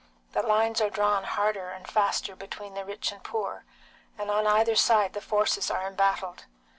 The lines are drawn harder and faster between the rich and the poor, and on either side the forces are embattled.